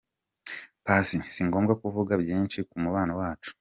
Paccy : Si ngombwa kuvuga byinshi ku mubano wacu.